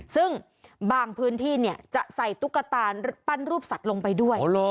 ซึ่งบางพื้นที่จะใส่ตุ๊กตาปั้นรูปสัตว์ลงไปด้วย